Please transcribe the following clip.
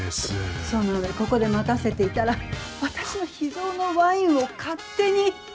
その上ここで待たせていたら私の秘蔵のワインを勝手に。